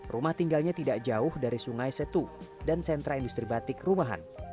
rumah tinggalnya tidak jauh dari sungai setu dan sentra industri batik rumahan